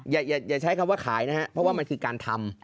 อย่าใช้คำว่าขายนะครับเพราะว่ามันคือการทำ